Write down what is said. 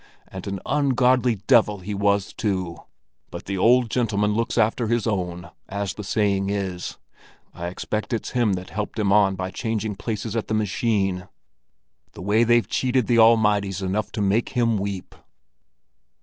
And an ungodly devil he was too! But the old gentleman looks after his own, as the saying is; I expect it's him that helped him on by changing places at the machine. The way they've cheated the Almighty's enough to make Him weep!"